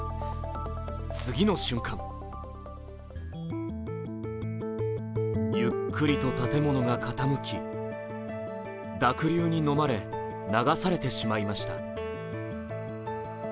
次の瞬間、ゆっくりと建物が傾き濁流にのまれ、流されてしまいました。